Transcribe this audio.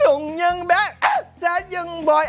จงยังแบ๊คนซ้ายังบ่อย